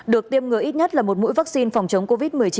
được tiêm ngừa ít nhất là một mũi vaccine phòng chống covid một mươi chín